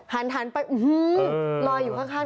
หันไปอื้อฮือลอยอยู่ข้างทำยังไง